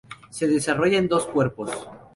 Se desarrolla en dos cuerpos.